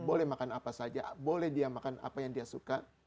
boleh makan apa saja boleh dia makan apa yang dia suka